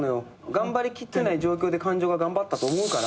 頑張りきってない状況で感情が頑張ったと思うから。